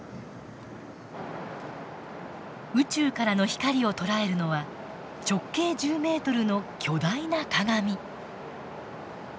宇宙からの光を捉えるのは直径１０ｍの巨大な鏡。